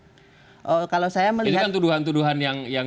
ini kan tuduhan tuduhan yang